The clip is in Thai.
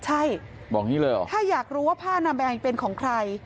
อุ้ยบอกนี่เลยเหรอถ้าอยากรู้ว่าผ้านามัยเป็นของใคร